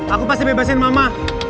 aku pasti bebasin mama